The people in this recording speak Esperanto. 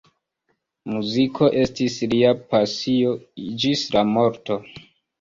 Muziko estis lia pasio ĝis la morto.